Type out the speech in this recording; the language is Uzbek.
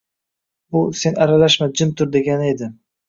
Bu “Sen aralashma, jim tur” degani edi.